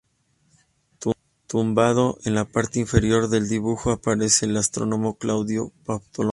Tumbado, en la parte inferior del dibujo, aparece el astrónomo Claudio Ptolomeo.